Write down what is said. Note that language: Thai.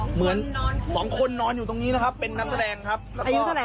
เหมือนสองคนนอนอยู่ตรงนี้นะครับเป็นนักแสดงครับแล้วก็